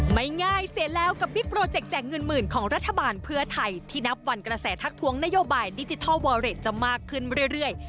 ไม่ง่ายเสียแล้วกับบิ๊กโปรเจคแจกเงินหมื่นของรัฐบาลเพื่อไทยที่นับวันกระแสทักทวงนโยบายดิจิทัลวอเรดจะมากขึ้นเรื่อย